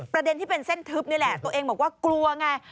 ประเด็นที่เป็นเส้นทึบนี่แหละตัวเองบอกว่ากลัวไง